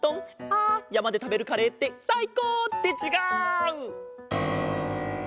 あやまでたべるカレーってさいこう！ってちがう！